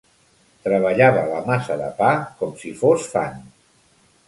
Treballava la massa de pa com si fos fang.